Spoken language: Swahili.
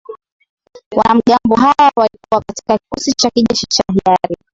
Wanamgambo hawa walikuwa katika kikosi cha kijeshi cha hiari